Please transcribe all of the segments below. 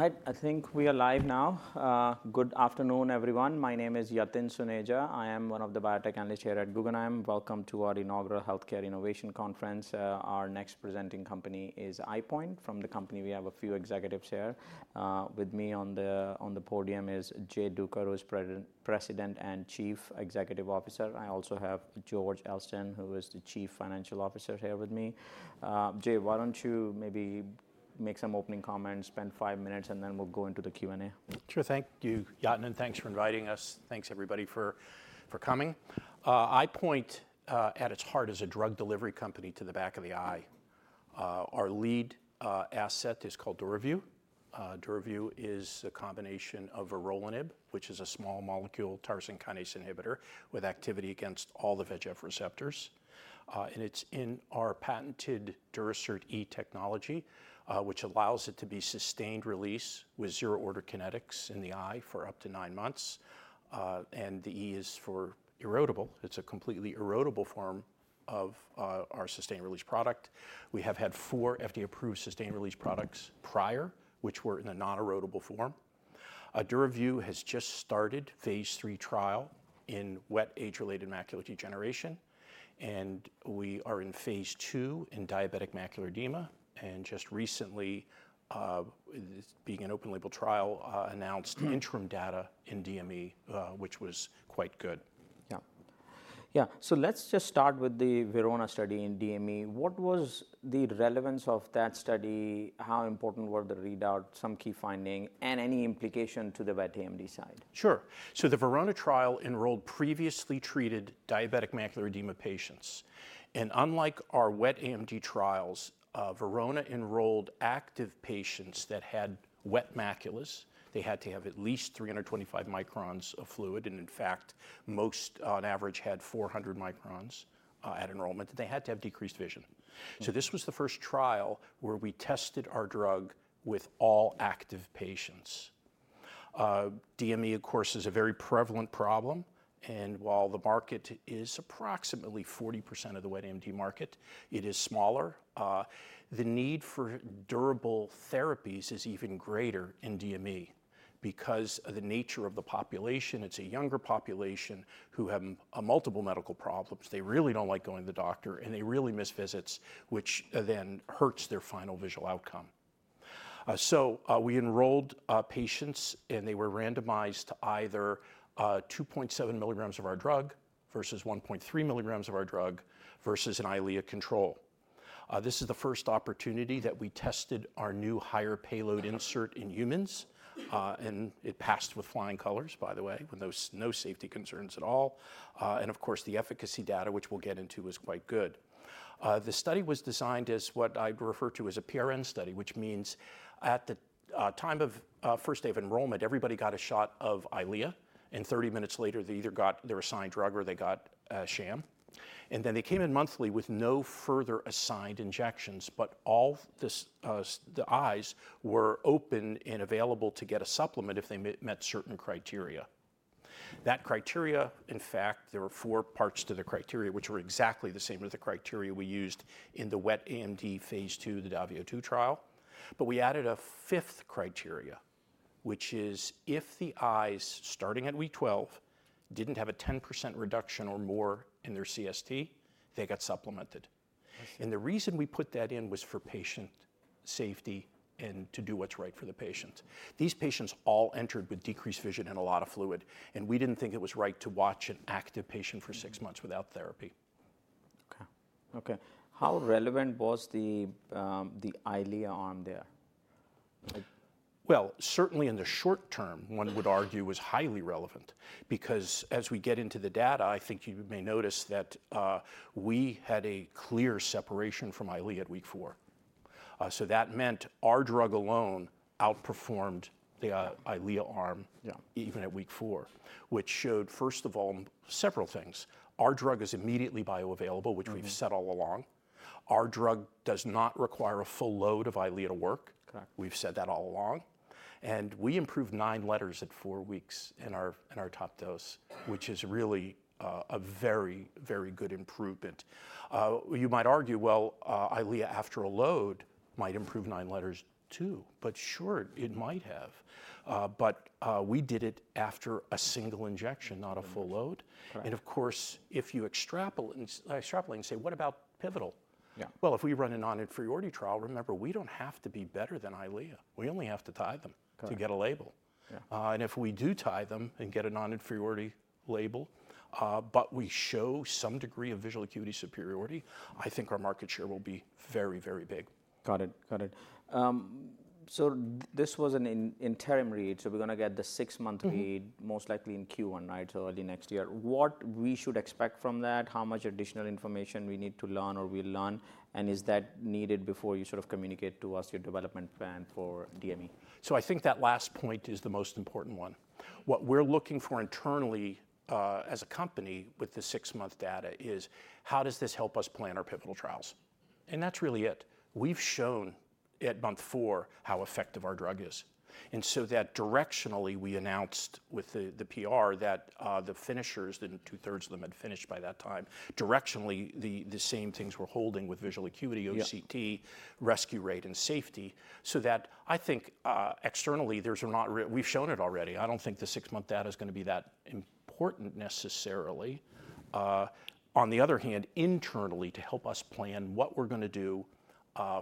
Hi, I think we are live now. Good afternoon, everyone. My name is Yatin Suneja. I am one of the biotech analysts here at Guggenheim. Welcome to our inaugural Healthcare Innovation Conference. Our next presenting company is EyePoint. From the company, we have a few executives here. With me on the podium is Jay Duker, who is President and Chief Executive Officer. I also have George Elston, who is the Chief Financial Officer here with me. Jay, why don't you maybe make some opening comments, spend five minutes, and then we'll go into the Q&A. Sure, thank you, Yatin, and thanks for inviting us. Thanks, everybody, for coming. EyePoint, at its heart, is a drug delivery company to the back of the eye. Our lead asset is called DURAVYU. DURAVYU is a combination of Vorolanib, which is a small molecule tyrosine kinase inhibitor, with activity against all the VEGF receptors. It's in our patented Durasert E technology, which allows it to be sustained release with zero order kinetics in the eye for up to nine months. The E is for erodible. It's a completely erodible form of our sustained release product. We have had four FDA-approved sustained release products prior, which were in a non-erodible form. DURAVYU has just started phase III trial in wet age-related macular degeneration, and we are in phase II in diabetic macular edema. Just recently, being an open label trial, announced interim data in DME, which was quite good. Yeah. Yeah. So let's just start with the VERONA study in DME. What was the relevance of that study? How important were the readouts, some key findings, and any implication to the wet AMD side? Sure. So the VERONA trial enrolled previously treated diabetic macular edema patients. And unlike our wet AMD trials, VERONA enrolled active patients that had wet maculas. They had to have at least 325 microns of fluid, and in fact, most on average had 400 microns, at enrollment. They had to have decreased vision. So this was the first trial where we tested our drug with all active patients. DME, of course, is a very prevalent problem, and while the market is approximately 40% of the wet AMD market, it is smaller. The need for durable therapies is even greater in DME because of the nature of the population. It's a younger population who have multiple medical problems. They really don't like going to the doctor, and they really miss visits, which then hurts their final visual outcome. We enrolled patients and they were randomized to either 2.7 mg of our drug versus 1.3 mg of our drug versus an Eylea control. This is the first opportunity that we tested our new higher payload insert in humans. It passed with flying colors, by the way, with no safety concerns at all. Of course, the efficacy data, which we'll get into, was quite good. The study was designed as what I refer to as a PRN study, which means at the time of first day of enrollment, everybody got a shot of Eylea, and 30 minutes later, they either got their assigned drug or they got sham. They came in monthly with no further assigned injections, but all the eyes were open and available to get a supplement if they met certain criteria. That criteria, in fact, there were four parts to the criteria, which were exactly the same as the criteria we used in the wet AMD phase II, the DAVIO 2 trial. But we added a fifth criteria, which is if the eyes, starting at week 12, didn't have a 10% reduction or more in their CST, they got supplemented. And the reason we put that in was for patient safety and to do what's right for the patient. These patients all entered with decreased vision and a lot of fluid, and we didn't think it was right to watch an active patient for six months without therapy. Okay. Okay. How relevant was the Eylea arm there? Certainly in the short term, one would argue was highly relevant because as we get into the data, I think you may notice that, we had a clear separation from Eylea at week four. So that meant our drug alone outperformed the Eylea arm. Yeah. Even at week four, which showed, first of all, several things. Our drug is immediately bioavailable, which we've said all along. Our drug does not require a full load of Eylea to work. Correct. We've said that all along, and we improved nine letters at four weeks in our top dose, which is really a very, very good improvement. You might argue, well, Eylea after a load might improve nine letters too, but sure, it might have, but we did it after a single injection, not a full load. Correct. Of course, if you extrapolate and say, what about pivotal? Yeah. If we run a non-inferiority trial, remember, we don't have to be better than Eylea. We only have to tie them. Got it. To get a label. Yeah. And if we do tie them and get a non-inferiority label, but we show some degree of visual acuity superiority, I think our market share will be very, very big. Got it. Got it. So this was an interim read, so we're gonna get the six-month read most likely in Q1, right? So early next year. What we should expect from that, how much additional information we need to learn or we'll learn, and is that needed before you sort of communicate to us your development plan for DME? I think that last point is the most important one. What we're looking for internally, as a company with the six-month data, is how does this help us plan our pivotal trials? That's really it. We've shown at month four how effective our drug is. Directionally, we announced with the PR that the finishers, 2/3 of them had finished by that time. Directionally, the same things we're holding with visual acuity, OCT. Yeah. Rescue rate and safety. So that I think, externally, there's no real, we've shown it already. I don't think the six-month data is gonna be that important necessarily. On the other hand, internally, to help us plan what we're gonna do,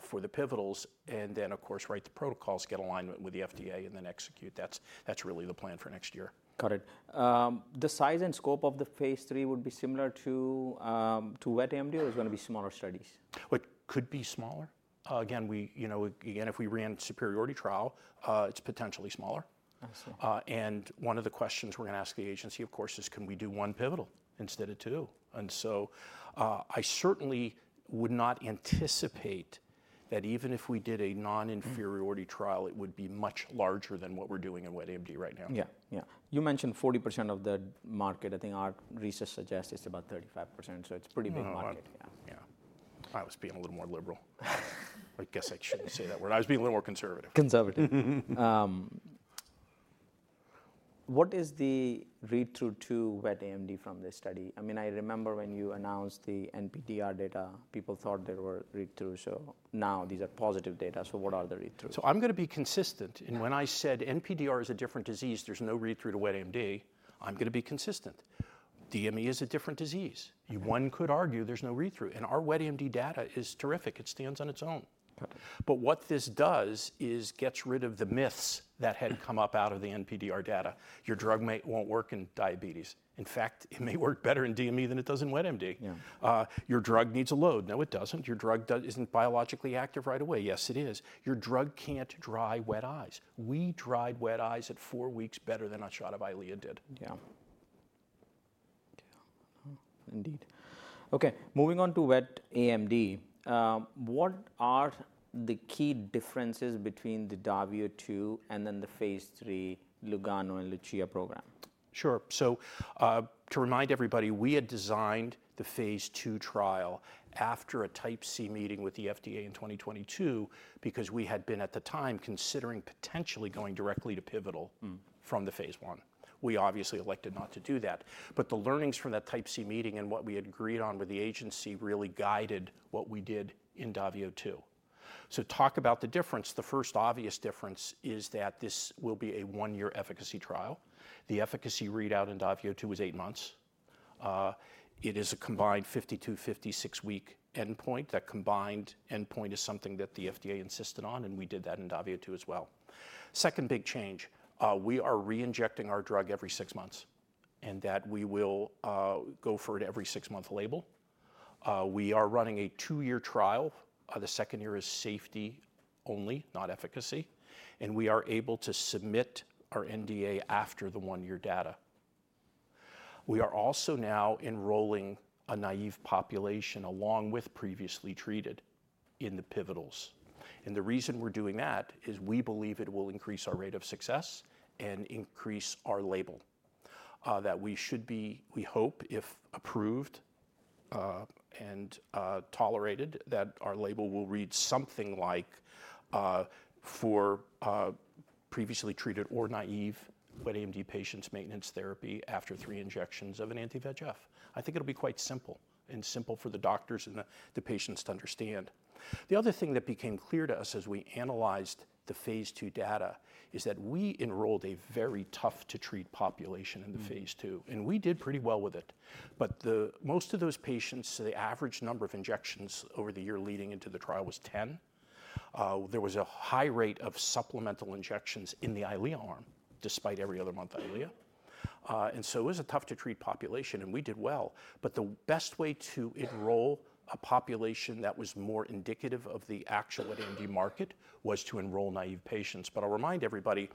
for the pivotals and then, of course, write the protocols, get alignment with the FDA, and then execute. That's really the plan for next year. Got it. The size and scope of the phase III would be similar to wet AMD or it's gonna be smaller studies? It could be smaller. Again, you know, if we ran a superiority trial, it's potentially smaller. I see. And one of the questions we're gonna ask the agency, of course, is, can we do one pivotal instead of two? And so, I certainly would not anticipate that even if we did a non-inferiority trial, it would be much larger than what we're doing in wet AMD right now. Yeah. Yeah. You mentioned 40% of the market. I think our research suggests it's about 35%, so it's a pretty big market. Yeah. Yeah. Yeah. I was being a little more liberal. I guess I shouldn't say that word. I was being a little more conservative. Conservative. What is the read-through to wet AMD from this study? I mean, I remember when you announced the NPDR data, people thought there were read-throughs, so now these are positive data. So what are the read-throughs? I'm gonna be consistent. When I said NPDR is a different disease, there's no read-through to wet AMD, I'm gonna be consistent. DME is a different disease. One could argue there's no read-through. Our wet AMD data is terrific. It stands on its own. Got it. But what this does is gets rid of the myths that had come up out of the NPDR data. Your drug may not work in diabetes. In fact, it may work better in DME than it does in wet AMD. Yeah. Your drug needs a load. No, it doesn't. Your drug isn't biologically active right away. Yes, it is. Your drug can't dry wet eyes. We dried wet eyes at four weeks better than a shot of Eylea did. Yeah. Yeah. Indeed. Okay. Moving on to wet AMD, what are the key differences between the DAVIO 2 and then the phase III LUGANO and LUCIA program? Sure. So, to remind everybody, we had designed the phase II trial after a Type C meeting with the FDA in 2022 because we had been at the time considering potentially going directly to pivotal from the phase one. We obviously elected not to do that. But the learnings from that Type C meeting and what we had agreed on with the agency really guided what we did in DAVIO 2. So talk about the difference. The first obvious difference is that this will be a one-year efficacy trial. The efficacy readout in DAVIO 2 was eight months. It is a combined 52 to 56-week endpoint. That combined endpoint is something that the FDA insisted on, and we did that in DAVIO 2 as well. Second big change, we are reinjecting our drug every six months and that we will go for it every six-month label. We are running a two-year trial. The second year is safety only, not efficacy, and we are able to submit our NDA after the one-year data. We are also now enrolling a naive population along with previously treated in the pivotals, and the reason we're doing that is we believe it will increase our rate of success and increase our label, that we should be, we hope, if approved, and, tolerated, that our label will read something like, for, previously treated or naive wet AMD patients maintenance therapy after three injections of an anti-VEGF. I think it'll be quite simple and simple for the doctors and the patients to understand. The other thing that became clear to us as we analyzed the phase II data is that we enrolled a very tough-to-treat population in the phase II, and we did pretty well with it. But for most of those patients, the average number of injections over the year leading into the trial was 10. There was a high rate of supplemental injections in the Eylea arm despite every other month Eylea. And so it was a tough-to-treat population, and we did well. But the best way to enroll a population that was more indicative of the actual wet AMD market was to enroll naive patients. But I'll remind everybody,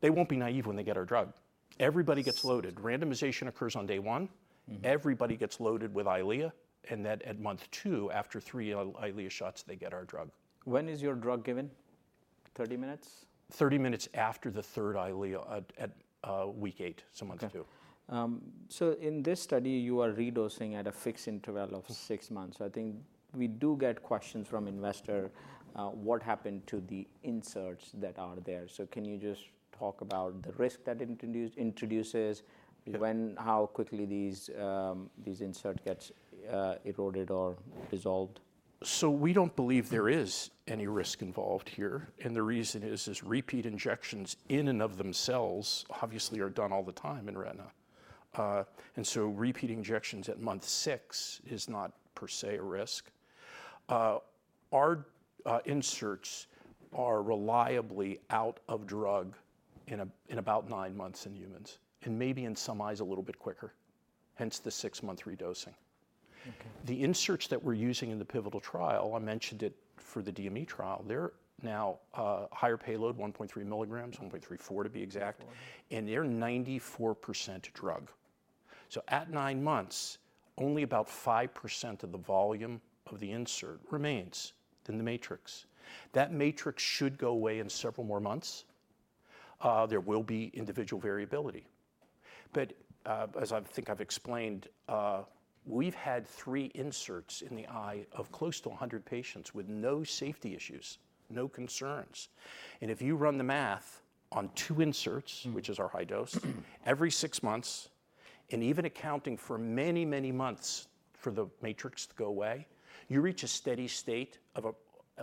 they won't be naive when they get our drug. Everybody gets loaded. Randomization occurs on day one. Everybody gets loaded with Eylea, and then at month two, after three Eylea shots, they get our drug. When is your drug given? 30 minutes? 30 minutes after the third Eylea at week eight, so month two. Okay. So in this study, you are re-dosing at a fixed interval of six months. So I think we do get questions from investors, what happened to the inserts that are there. So can you just talk about the risk that it introduces, when, how quickly these inserts get eroded or dissolved? So we don't believe there is any risk involved here. And the reason is repeat injections in and of themselves obviously are done all the time in retina. And so repeat injections at month six is not per se a risk. Our inserts are reliably out of drug in about nine months in humans and maybe in some eyes a little bit quicker, hence the six-month redosing. Okay. The inserts that we're using in the pivotal trial, I mentioned it for the DME trial, they're now, higher payload, 1.3 mg, 1.34 mg to be exact, and they're 94% drug. So at nine months, only about 5% of the volume of the insert remains in the matrix. That matrix should go away in several more months. There will be individual variability. But, as I think I've explained, we've had three inserts in the eye of close to a hundred patients with no safety issues, no concerns. And if you run the math on two inserts, which is our high dose, every six months, and even accounting for many, many months for the matrix to go away, you reach a steady state of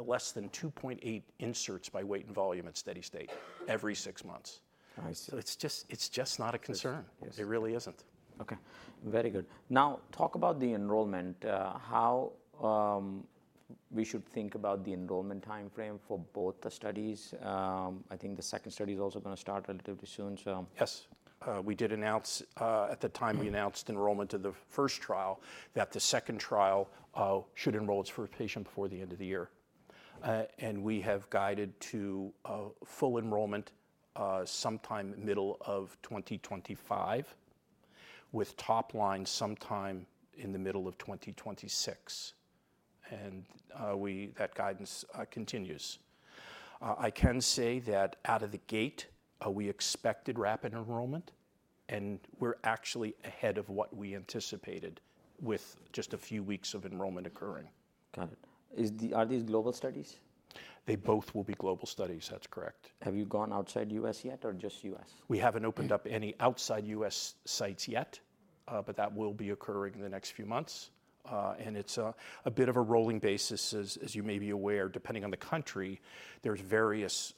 less than 2.8 inserts by weight and volume at steady state every six months. I see. So it's just, it's just not a concern. Yes. It really isn't. Okay. Very good. Now talk about the enrollment. How we should think about the enrollment timeframe for both the studies. I think the second study is also gonna start relatively soon, so. Yes. We did announce, at the time we announced enrollment of the first trial, that the second trial should enroll its first patient before the end of the year. We have guided to full enrollment sometime middle of 2025 with top line sometime in the middle of 2026. That guidance continues. I can say that out of the gate, we expected rapid enrollment, and we're actually ahead of what we anticipated with just a few weeks of enrollment occurring. Got it. Are these global studies? They both will be global studies. That's correct. Have you gone outside the U.S. yet or just U.S.? We haven't opened up any outside U.S. sites yet, but that will be occurring in the next few months, and it's a bit of a rolling basis as you may be aware, depending on the country, there's various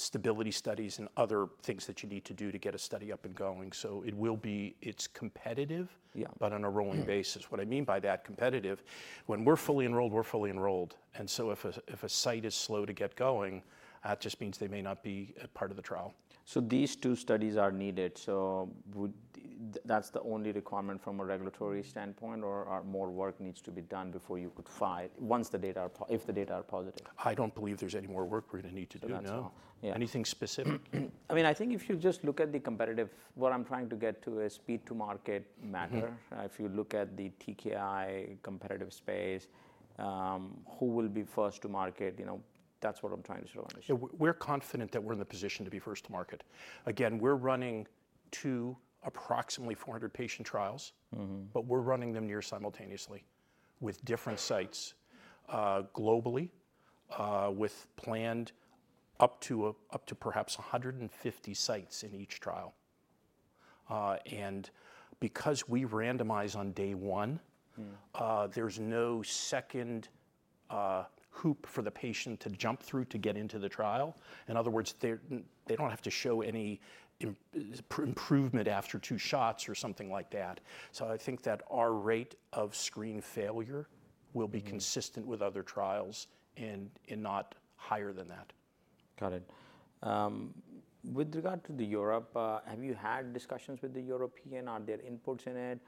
stability studies and other things that you need to do to get a study up and going. So it will be. It's competitive. Yeah. But on a rolling basis. What I mean by that competitive, when we're fully enrolled, we're fully enrolled. And so if a site is slow to get going, that just means they may not be a part of the trial. So these two studies are needed. So, would that be the only requirement from a regulatory standpoint or more work needs to be done before you could file once the data are, if the data are positive? I don't believe there's any more work we're gonna need to do. That's all. No. Yeah. Anything specific? I mean, I think if you just look at the competitive, what I'm trying to get to is speed to market matter. If you look at the TKI competitive space, who will be first to market, you know, that's what I'm trying to sort of understand. We're confident that we're in the position to be first to market. Again, we're running two approximately 400-patient trials. Mm-hmm. But we're running them near simultaneously with different sites, globally, with planned up to a, up to perhaps 150 sites in each trial, and because we randomize on day one, there's no second hoop for the patient to jump through to get into the trial. In other words, they, they don't have to show any improvement after two shots or something like that, so I think that our rate of screen failure will be consistent with other trials and, and not higher than that. Got it. With regard to Europe, have you had discussions with the Europeans? Are there inputs in it?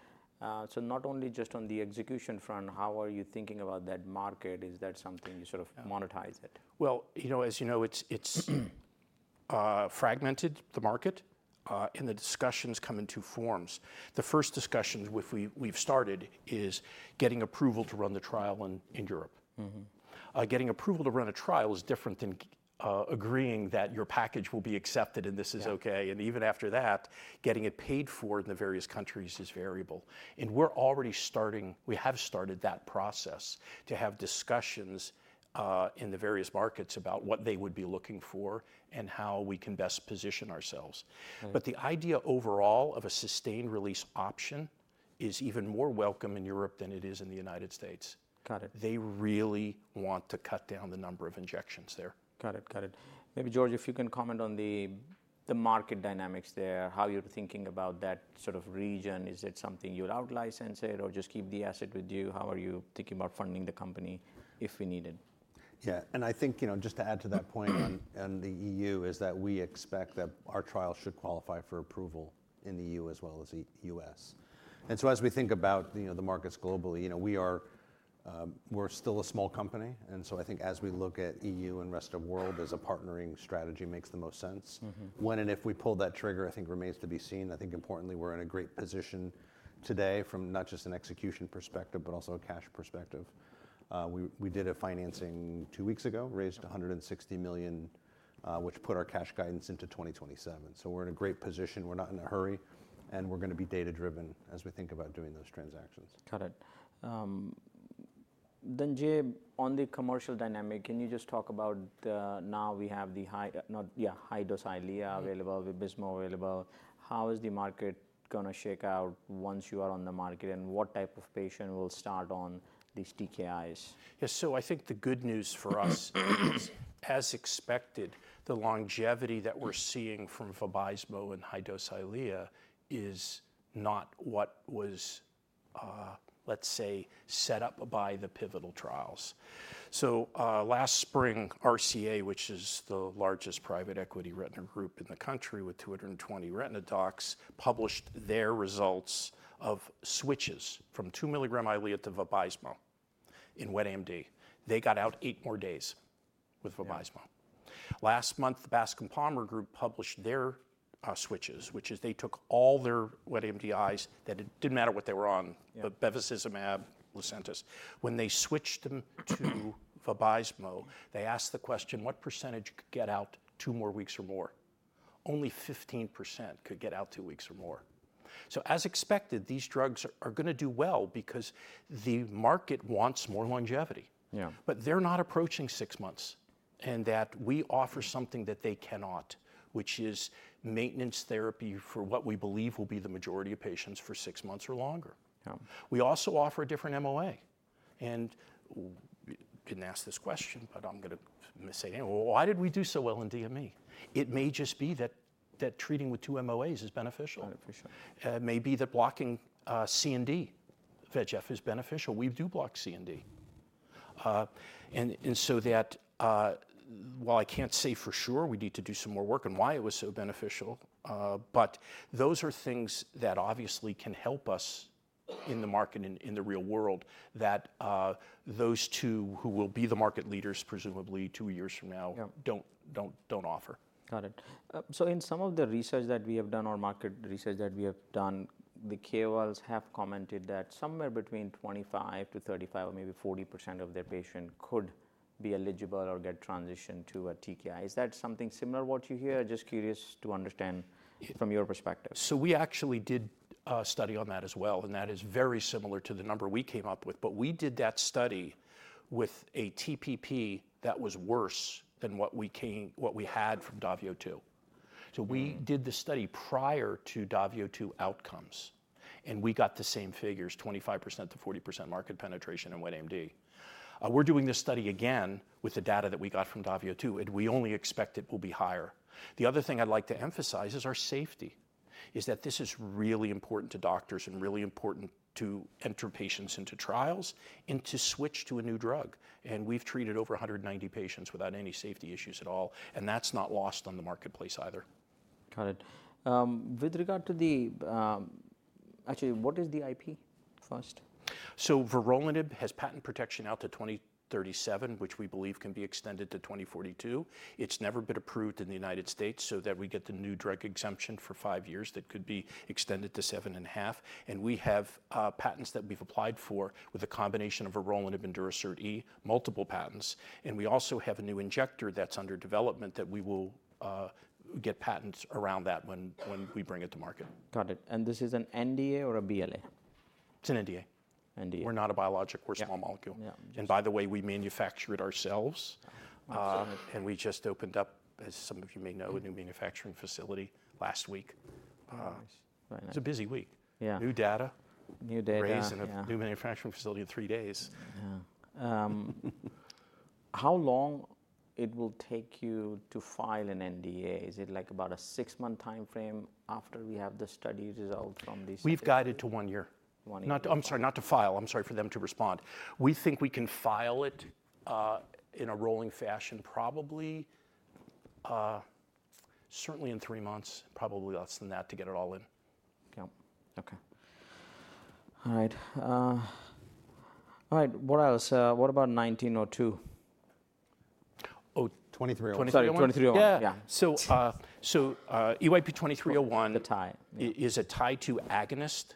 So not only just on the execution front, how are you thinking about that market? Is that something you sort of monetize it? You know, as you know, it's fragmented, the market, and the discussions come in two forms. The first discussion we've started is getting approval to run the trial in Europe. Mm-hmm. Getting approval to run a trial is different than agreeing that your package will be accepted and this is okay, and even after that, getting it paid for in the various countries is variable, and we're already starting, we have started that process to have discussions in the various markets about what they would be looking for and how we can best position ourselves, but the idea overall of a sustained release option is even more welcome in Europe than it is in the United States. Got it. They really want to cut down the number of injections there. Got it. Got it. Maybe George, if you can comment on the market dynamics there, how you're thinking about that sort of region. Is it something you'd outlicense it or just keep the asset with you? How are you thinking about funding the company if we need it? Yeah. And I think, you know, just to add to that point on the E.U. is that we expect that our trial should qualify for approval in the E.U as well as the U.S. And so as we think about, you know, the markets globally, you know, we're still a small company. And so I think as we look at E.U. and rest of the world as a partnering strategy makes the most sense. Mm-hmm. When and if we pull that trigger, I think remains to be seen. I think importantly, we're in a great position today from not just an execution perspective, but also a cash perspective. We did a financing two weeks ago, raised $160 million, which put our cash guidance into 2027. So we're in a great position. We're not in a hurry, and we're gonna be data-driven as we think about doing those transactions. Got it. Then, Jay, on the commercial dynamic, can you just talk about, now we have the high dose Eylea available, the VABYSMO available. How is the market gonna shake out once you are on the market and what type of patient will start on these TKIs? Yeah. So I think the good news for us is, as expected, the longevity that we're seeing from VABYSMO and high dose Eylea is not what was, let's say, set up by the pivotal trials. So, last spring, RCA, which is the largest private equity retina group in the country with 220 retina docs, published their results of switches from 2mg Eylea to VABYSMO in wet AMD. They got out eight more days with VABYSMO. Last month, the Bascom Palmer group published their switches, which is they took all their wet AMD eyes that it didn't matter what they were on, but bevacizumab, LUCENTIS. When they switched them to VABYSMO, they asked the question, what percentage could get out two more weeks or more? Only 15% could get out two more weeks or more. So as expected, these drugs are gonna do well because the market wants more longevity. Yeah. But they're not approaching six months and that we offer something that they cannot, which is maintenance therapy for what we believe will be the majority of patients for six months or longer. Yeah. We also offer a different MOA. You can ask this question, but I'm gonna say, well, why did we do so well in DME? It may just be that treating with two MOAs is beneficial. Beneficial. Maybe that blocking C and D VEGF is beneficial. We do block C and D, and so that, while I can't say for sure we need to do some more work on why it was so beneficial, but those are things that obviously can help us in the market and in the real world, those two who will be the market leaders presumably two years from now. Yeah. Don't offer. Got it. So in some of the research that we have done on market research that we have done, the KOLs have commented that somewhere between 25%-35% or maybe 40% of their patient could be eligible or get transitioned to a TKI. Is that something similar to what you hear? Just curious to understand from your perspective. So we actually did a study on that as well, and that is very similar to the number we came up with, but we did that study with a TPP that was worse than what we came, what we had from DAVIO 2. So we did the study prior to DAVIO 2 outcomes, and we got the same figures, 25%-40% market penetration in wet AMD. We're doing this study again with the data that we got from DAVIO 2, and we only expect it will be higher. The other thing I'd like to emphasize is our safety, that is really important to doctors and really important to enter patients into trials and to switch to a new drug. And we've treated over 190 patients without any safety issues at all, and that's not lost on the marketplace either. Got it. With regard to the, actually, what is the IP first? So Vorolanib has patent protection out to 2037, which we believe can be extended to 2042. It's never been approved in the United States so that we get the new drug exemption for five years that could be extended to seven and a half. And we have, patents that we've applied for with a combination of Vorolanib and Durasert E, multiple patents. And we also have a new injector that's under development that we will, get patents around that when, when we bring it to market. Got it. And this is an NDA or a BLA? It's an NDA. NDA. We're not a biologic. We're a small molecule. Yeah. By the way, we manufacture it ourselves. Excellent. And we just opened up, as some of you may know, a new manufacturing facility last week. Nice. Very nice. It's a busy week. Yeah. New data. New data. Raise in a new manufacturing facility in three days. Yeah. How long it will take you to file an NDA? Is it like about a six-month timeframe after we have the study result from this? We've guided to one year. One year. Not, I'm sorry, not to file. I'm sorry for them to respond. We think we can file it, in a rolling fashion probably, certainly in three months, probably less than that to get it all in. Yep. Okay. All right. What else, what about 1902? Oh, 2302. 2302. Yeah. So, EYP-2301. The TIE. It's a TIE-2 agonist.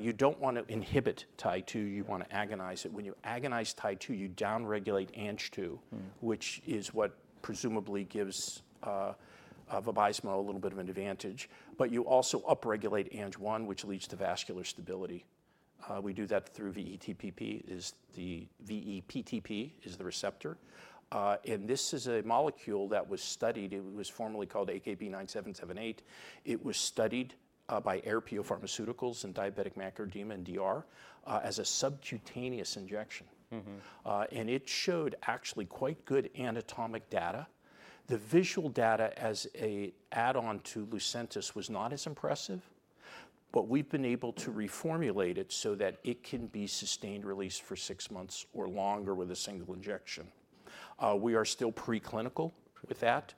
You don't wanna inhibit TIE-2. You wanna agonize it. When you agonize TIE-2, you downregulate Ang-2, which is what presumably gives VABYSMO a little bit of an advantage. But you also upregulate Ang-1, which leads to vascular stability. We do that through VE-PTP. The VE-PTP is the receptor. This is a molecule that was studied. It was formerly called AKB-9778. It was studied by Aerpio Pharmaceuticals in Diabetic Macular Edema and DR, as a subcutaneous injection. Mm-hmm. And it showed actually quite good anatomic data. The visual data as an add-on to LUCENTIS was not as impressive, but we've been able to reformulate it so that it can be sustained release for six months or longer with a single injection. We are still preclinical with that.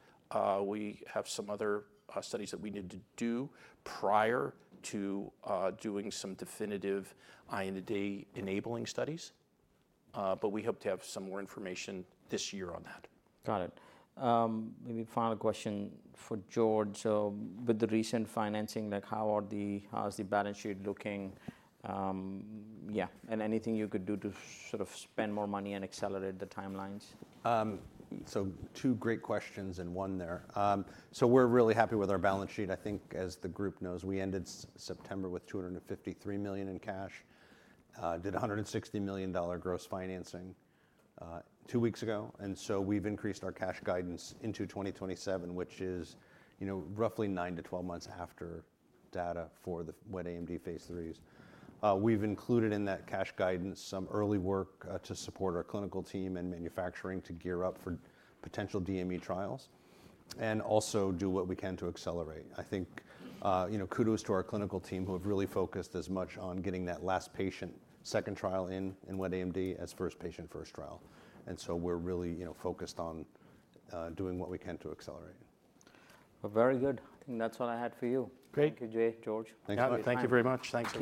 We have some other studies that we need to do prior to doing some definitive IND enabling studies. But we hope to have some more information this year on that. Got it. Maybe final question for George. So with the recent financing, like how's the balance sheet looking? Yeah. And anything you could do to sort of spend more money and accelerate the timelines? So two great questions and one there. We're really happy with our balance sheet. I think as the group knows, we ended September with $253 million in cash, did $160 million gross financing two weeks ago. We've increased our cash guidance into 2027, which is, you know, roughly nine to 12 months after data for the wet AMD phase IIIs. We've included in that cash guidance some early work to support our clinical team and manufacturing to gear up for potential DME trials and also do what we can to accelerate. I think, you know, kudos to our clinical team who have really focused as much on getting that last patient second trial in, in wet AMD as first patient first trial. We're really, you know, focused on doing what we can to accelerate. Very good. I think that's all I had for you. Great. Thank you, Jay, George. Thank you. Thank you very much. Thank you.